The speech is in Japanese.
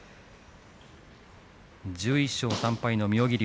１１勝３敗の妙義龍。